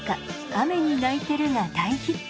「雨に泣いてる」が大ヒット。